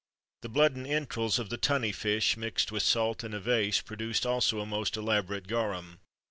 [XXIII 27] The blood and entrails of the tunny fish, mixed with salt in a vase, produced also a most elaborate garum.